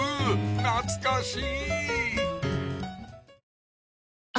懐かしい！